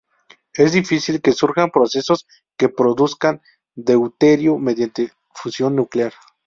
Es difícil que surjan procesos que produzcan deuterio mediante fusión nuclear.